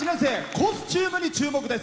コスチュームに注目です。